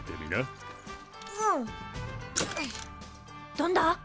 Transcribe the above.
どんだ？